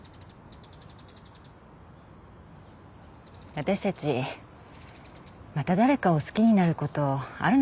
私たちまた誰かを好きになることあるのかしらね？